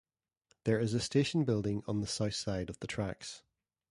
There is a station building on the south side of the tracks.